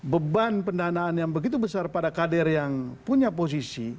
beban pendanaan yang begitu besar pada kader yang punya posisi